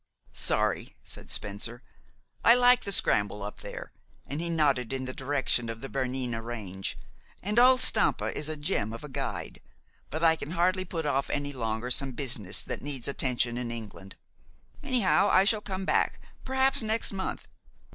"Sorry," said Spencer. "I like the scramble up there," and he nodded in the direction of the Bernina range, "and old Stampa is a gem of a guide; but I can hardly put off any longer some business that needs attention in England. Anyhow, I shall come back, perhaps next month.